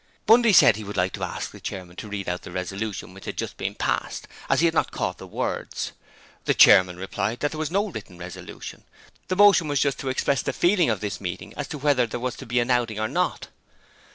Bundy said he would like to ask the chairman to read out the resolution which had just been passed, as he had not caught the words. The chairman replied that there was no written resolution. The motion was just to express the feeling of this meeting as to whether there was to be an outing or not.